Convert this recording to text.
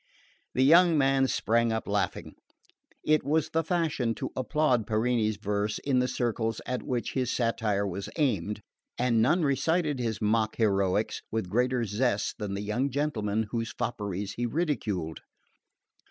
The young man sprang up laughing. It was the fashion to applaud Parini's verse in the circles at which his satire was aimed, and none recited his mock heroics with greater zest than the young gentlemen whose fopperies he ridiculed.